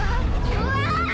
うわ！